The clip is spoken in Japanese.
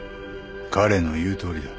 彼の言うとおりだ。